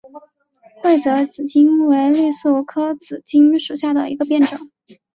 会泽紫堇为罂粟科紫堇属下的一个变种。